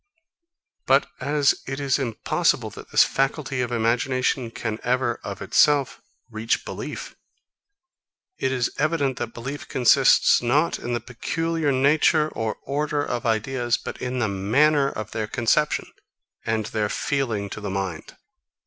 But as it is impossible that this faculty of imagination can ever, of itself, reach belief, it is evident that belief consists not in the peculiar nature or order of ideas, but in the manner of their conception, and in their feeling to the mind.